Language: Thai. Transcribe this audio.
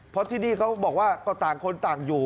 เพราะที่นี่เขาบอกว่าก็ต่างคนต่างอยู่